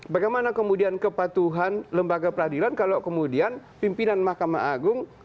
bagaimana kemudian kepatuhan lembaga peradilan kalau kemudian pimpinan mahkamah agung